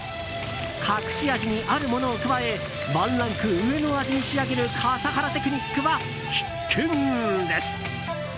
隠し味にあるものを加えワンランク上の味に仕上げる笠原テクニックは必見です。